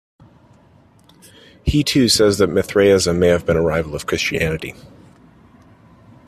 He too says that Mithraism may have been a rival of Christianity.